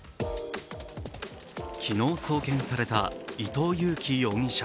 昨日送検された伊藤裕樹容疑者。